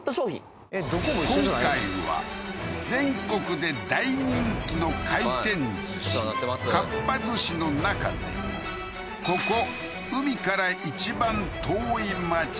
今回は全国で大人気の回転寿司かっぱ寿司の中でここ海から一番遠い街